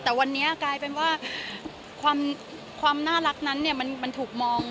แต่วันนี้กลายเป็นว่าความน่ารักนั้นมันถูกมอง